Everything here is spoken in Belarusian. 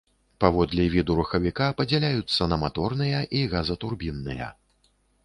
Паводле віду рухавіка падзяляюцца на маторныя і газатурбінныя.